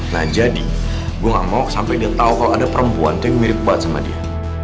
nah jadi gue gak mau sampe dia tau kalau ada perempuan tuh yang mirip banget sama dia